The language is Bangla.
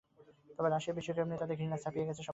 তবে রাশিয়া বিশ্বকাপ নিয়ে তাদের ঘৃণা ছাপিয়ে গেছে সবকিছু।